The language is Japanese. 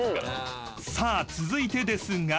［さあ続いてですが］